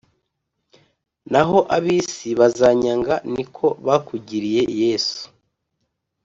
Naho abisi bazanyanga niko bakugiriye yesu